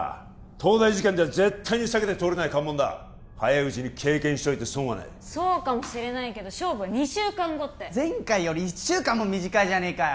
東大受験で絶対に避けて通れない関門だ早いうちに経験しといて損はないそうかもしれないけど勝負は２週間後って前回より１週間も短いじゃねえかよ